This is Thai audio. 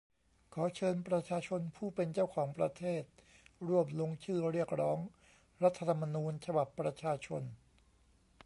ขอเชิญประชาชนผู้เป็นเจ้าของประเทศร่วมลงชื่อเรียกร้อง รัฐธรรมนูญฉบับประชาชน